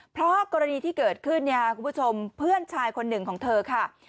เพราะกรณีที่เกิดขึ้นเนี่ยคุณผู้ชมเพื่อนชายคนหนึ่งของเธอค่ะ